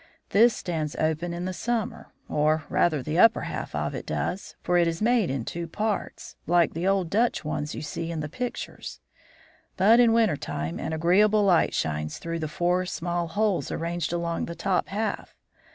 This stands open in the summer, or, rather, the upper half of it does, for it is made in two parts, like the old Dutch ones you see in the pictures; but in winter time an agreeable light shines through the four small holes arranged along the top half.